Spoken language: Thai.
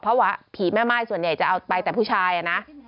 เพราะว่าผีแม่ม่ายส่วนใหญ่จะเอาไปแต่ผู้ชายนะ